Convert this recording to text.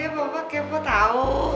bapak kepo tau